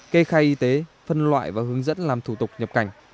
kê khai y tế phân loại và hướng dẫn làm thủ tục nhập cảnh